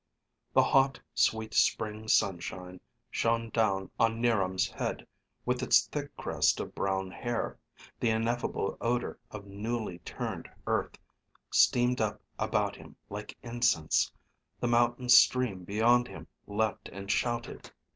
The hot, sweet spring sunshine shone down on 'Niram's head with its thick crest of brown hair, the ineffable odor of newly turned earth steamed up about him like incense, the mountain stream beyond him leaped and shouted.